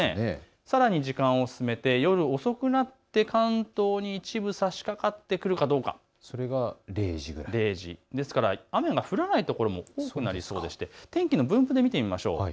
さらに時間を進めて夜遅くなって関東に一部さしかかってくるかどうか、ですから雨が降らない所も多くなりそうでして天気の分布で見てみましょう。